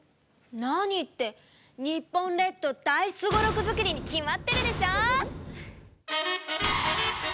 何って日本列島大すごろく作りに決まってるでしょ！